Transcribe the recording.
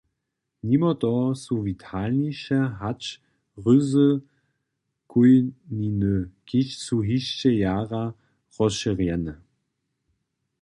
Nimo toho su witalniše hač ryzy chójniny, kiž su hišće jara rozšěrjene.